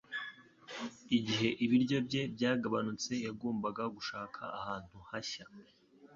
Igihe ibiryo bye byagabanutse yagombaga gushaka ahantu hashya